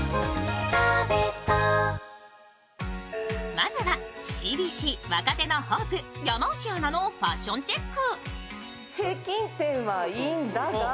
まずはＣＢＣ若手のホープ、山内アナのファッションチェック。